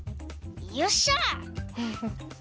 よっしゃ。